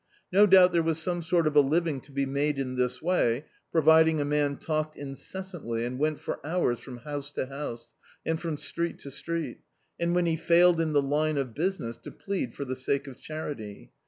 No doubt there was some sort of a living to be made in this way, providing a man talked incessantly and went for hours from house to house, and f;om street to street; and when he failed in the line of business to plead for the sake of charity.